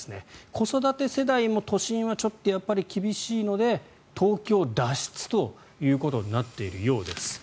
子育て世代も都心はちょっと厳しいので東京脱出ということになっているようです。